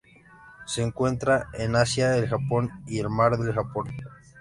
Se encuentran en Asia: el Japón y el Mar del Japón.